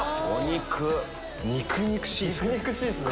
肉々しいっすね